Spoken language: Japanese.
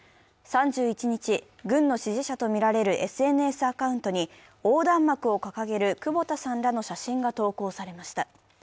３１日、軍の支持者とみられるＳＮＳアカウントに横断幕を掲げる久保田さんらの写真が投稿されました。